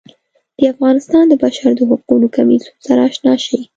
د افغانستان د بشر د حقونو کمیسیون سره اشنا شي.